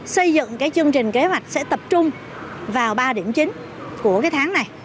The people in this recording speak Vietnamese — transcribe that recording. xây dựng cái chương trình kế hoạch sẽ tập trung vào ba điểm chính của tháng này